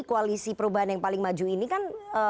koalisi perubahan yang paling maju ini kan